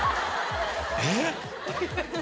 えっ！？